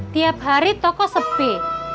tiap hari toko sepi